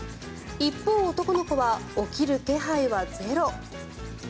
一方、男の子は起きる気配はゼロ。